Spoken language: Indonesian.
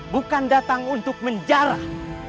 bukan datang untuk menjarah